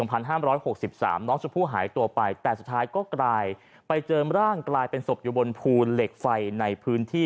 น้องชมพู่หายตัวไปแต่สุดท้ายก็กลายไปเจอร่างกลายเป็นศพอยู่บนภูเหล็กไฟในพื้นที่